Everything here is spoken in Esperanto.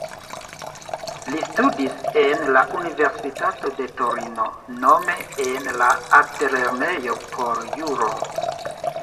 Li studis en la Universitato de Torino, nome en la Altlernejo por Juro.